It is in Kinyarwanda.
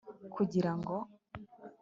kugira ngo